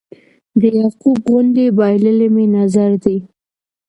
د یعقوب غوندې بایللی مې نظر دی